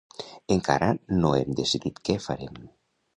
Encara no hem decidit què farem.